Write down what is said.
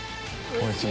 おいしい？